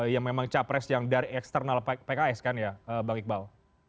yang memang capres yang dari eksternal pks kan ya bang iqbal